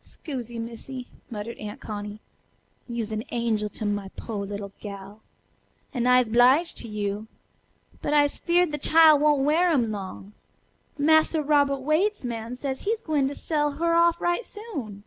"'Scusie, Missy," muttered Aunt Connie; "you'se an angel to my po' little gal. An' I'se 'bliged to you. But I'se feared the chile won't wear 'em long. Massa Robert Waite's man sez he's gwine sell her off right soon."